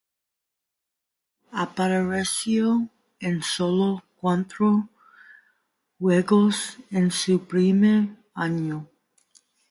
Apareció en sólo cuatro juegos en su primer año.